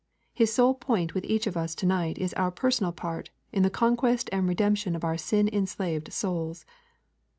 His sole point with each one of us to night is our personal part in the conquest and redemption of our sin enslaved souls.